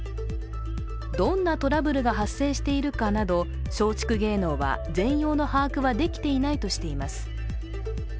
どんなトラブルが発生しているかなど松竹芸能は全容の把握はできていないとしています。